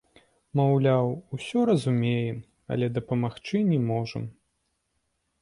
Маўляў, усё разумеем, але дапамагчы не можам.